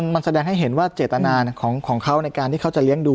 มันแสดงให้เห็นว่าเจตนาของเขาในการที่เขาจะเลี้ยงดู